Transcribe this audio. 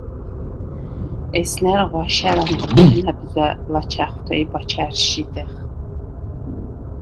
ესნა̈რ ღვაშა̈რ ანღრიხ ნა̈ბზვა̈ ლაჩა̈ხვთე ი ბაჩა̈რს შიდეხ.